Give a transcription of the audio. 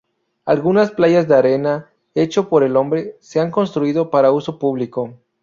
Algunas playas de arena hecho por el hombre, se han construido para uso público.